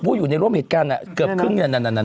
อยู่ในร่วมเหตุการณ์เกือบครึ่งเนี่ย